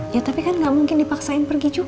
ya tapi kan gak mungkin dipaksain pergi juga